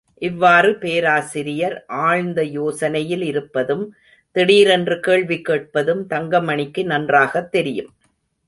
இவ்வாறு பேராசிரியர் ஆழ்ந்த யோசனையில் இருப்பதும், திடீரென்று கேள்வி கேட்பதும் தங்கமணிக்கு நன்றாகத் தெரியும்.